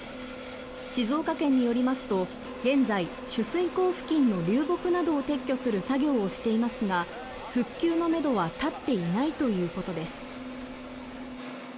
静岡県によりますと現在、取水口付近の流木などを撤去する作業をしていますが復旧のめどは立っていないということです。